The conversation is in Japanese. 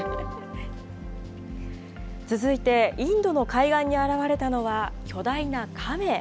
続いて、インドの海岸に現れたのは、巨大なカメ。